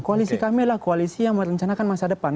koalisi kami adalah koalisi yang merencanakan masa depan